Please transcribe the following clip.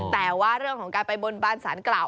แต่ว่าเรื่องของการไปบนบานสารกล่าว